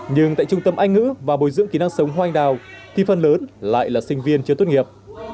nhưng tại trung tâm anh ngữ và bồi dưỡng kỹ năng sống hoa anh đào thì phần lớn lại là sinh viên chưa tốt nghiệp